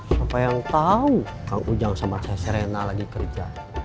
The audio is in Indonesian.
siapa yang tahu kang ujang sama saya serena lagi kerja